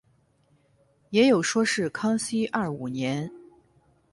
也有说是康熙廿五年。